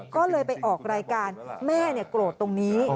ก็เลยไปออกรายการแม่โกรธตรงนี้